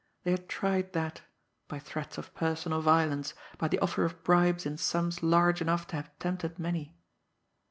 They had tried that by threats of personal violence, by the offer of bribes in sums large enough to have tempted many!